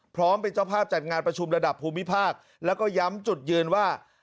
พร้อมเป็นเจ้าภาพจัดงานประชุมระดับภูมิภาคแล้วก็ย้ำจุดยืนว่า